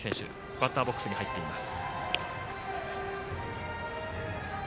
バッターボックスに入っています。